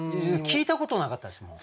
聞いたことなかったですもん。